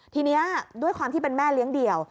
ทีนี้ด้วยความที่เป็นแม่เลี้ยงเดี่ยว